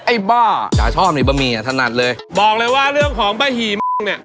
บ้าจ๋าชอบนี่บะหมี่อ่ะถนัดเลยบอกเลยว่าเรื่องของบ้าหี่มุ่งเนี่ย